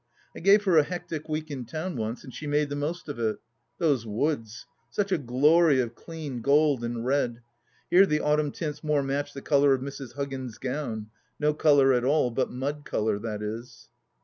I gave her a hectic week in town once, and she made the most of it. Those woods ! Such a glory of clean gold and red ! Here the autumn tints more match the colour of Mrs. Huggins' gown — ^no colour at all but mud colour, that is.